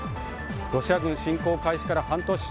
ロシア軍侵攻が開始から半年。